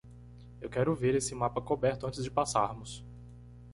Eu quero ver esse mapa coberto antes de passarmos!